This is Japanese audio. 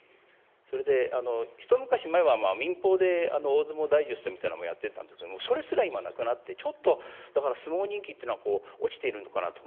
それで、一昔前は民放で大相撲ダイジェストみたいなのもやってたんですけれども、それすら今なくなって、ちょっと、だから相撲人気というのは落ちているのかなと。